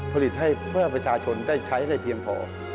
ผลิตให้เพื่อประชาชนได้ใช้ได้เพียงพอ